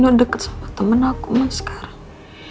udah deket sama temen aku mas sekarang